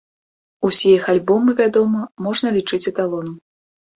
Усе іх альбомы, вядома, можна лічыць эталонам.